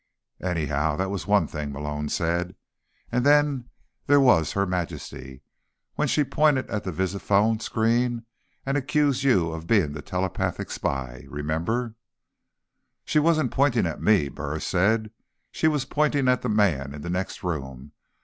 "Anyhow, that was one thing," Malone said. "And then there was Her Majesty, when she pointed at that visiphone screen and accused you of being the telepathic spy. Remember?" "She wasn't pointing at me," Burris said. "She was pointing at the man in the next room.